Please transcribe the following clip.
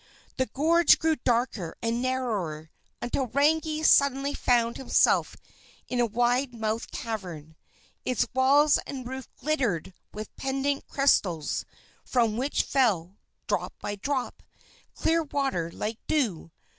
The gorge grew darker and narrower, until Rangi suddenly found himself in a wide mouthed cavern. Its walls and roof glittered with pendant crystals from which fell, drop by drop, clear water like dew.